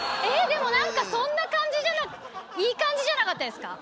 でも何かそんな感じじゃなかっいい感じじゃなかったですか？